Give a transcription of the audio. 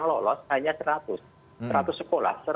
lolos hanya seratus sekolah